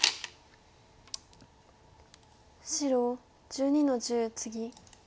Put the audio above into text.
白１２の十ツギ。